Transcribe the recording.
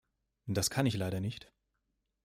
Das kann ich leider nicht.